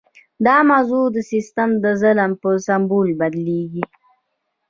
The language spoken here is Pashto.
دا موضوع د سیستم د ظلم په سمبول بدلیږي.